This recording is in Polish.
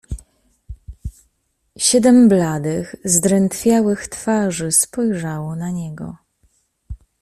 "Siedem bladych, zdrętwiałych twarzy spojrzało na niego."